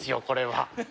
これは。